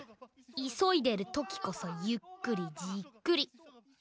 いそいでるときこそゆっくりじっくり。